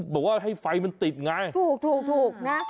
แบบว่าให้ไฟมันติดไงถูกนะ